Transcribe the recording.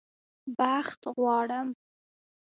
بخت غواړم